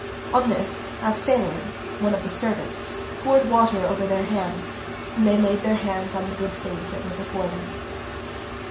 On this Asphalion, one of the servants, poured water over their hands and they laid their hands on the good things that were before them.